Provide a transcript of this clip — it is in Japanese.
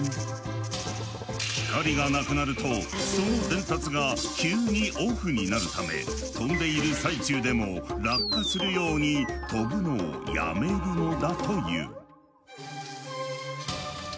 光がなくなるとその伝達が急にオフになるため飛んでいる最中でも落下するように飛ぶのをやめるのだという。